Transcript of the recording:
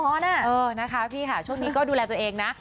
เออนะคะพี่ค่ะช่วงนี้ก็ดูแลตัวเองนะ